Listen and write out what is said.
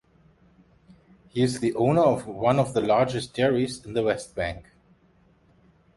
He is the owner of one of the largest dairies in the West Bank.